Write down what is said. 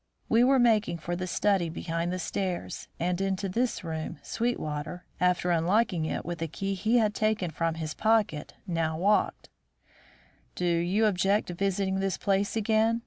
We were making for the study behind the stairs, and into this room Sweetwater, after unlocking it with a key he had taken from his pocket, now walked: "Do you object to visiting this place again?"